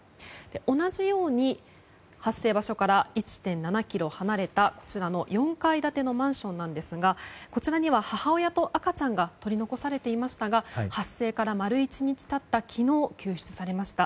同じように発生場所から１．７ｋｍ離れた４階建てのマンションなんですがこちらには母親と赤ちゃんが取り残されていましたが発生から丸１日経った昨日救出されました。